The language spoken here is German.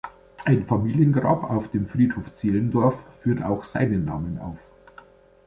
Ein Familiengrab auf dem Friedhof Zehlendorf führt auch seinen Namen auf.